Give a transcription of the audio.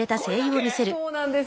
そうなんです。